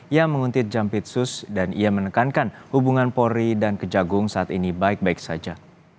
ia menguntit jampitsus dan ia menekankan hubungan polri dan kejagung saat ini baik baik saja